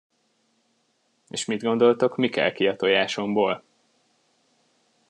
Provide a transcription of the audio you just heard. És mit gondoltok, mi kel ki a tojásomból?